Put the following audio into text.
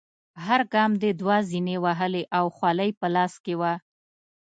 هر ګام دې دوه زینې وهلې او خولۍ په لاس کې وه.